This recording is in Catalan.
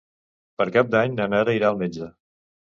Per Cap d'Any na Nara irà al metge.